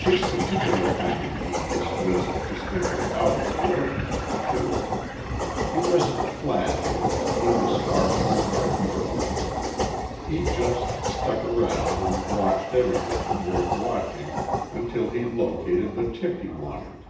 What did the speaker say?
His particular kind of genius was distinctly out of the ordinary, too. He wasn't flashy and he was far from a hard worker. He just stuck around and watched everything worth watching until he located the tip he wanted.